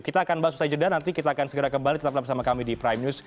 kita akan bahas usai jeda nanti kita akan segera kembali tetaplah bersama kami di prime news